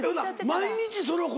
毎日その声？